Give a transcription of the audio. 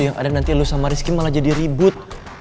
yang ada nanti lu sama rizky malah jadi ribut